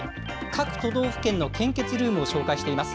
各都道府県の献血ルームを紹介しています。